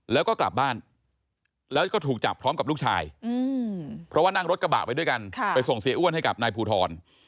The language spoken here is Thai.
แล้วก็กลับบ้านแล้วก็ถูกจับพร้อมกับลูกชายเพราะว่านั่งรถกระบะไปด้วยกันไปส่งเสียอ้วนให้กับนายภูทร